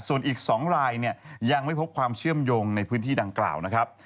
ส่วนอีก๒รายเนี่ยยังไม่พบความเชื่อมโยงในพื้นที่ดังกล่าวนะครับ